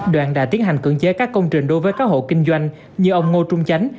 đoàn đã tiến hành cưỡng chế các công trình đối với các hộ kinh doanh như ông ngô trung chánh